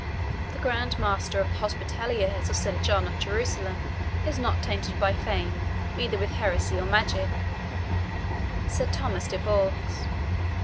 "The Grand Master of the Hospitallers of St. John of Jerusalem is not tainted by fame, either with heresy or magic," said Thomas de Vaux.